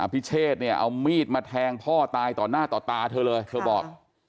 พิเชษเนี่ยเอามีดมาแทงพ่อตายต่อหน้าต่อตาเธอเลยเธอบอก